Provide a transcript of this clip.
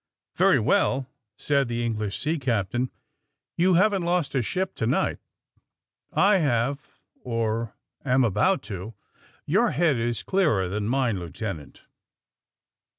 '' ^^Very well," said the English sea captain. ^^You haven't lost a ship to night. I have, or am about to. Your head is clearer than mine, Lieutenant.